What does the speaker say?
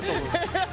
ハハハ！